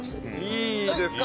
いいですね！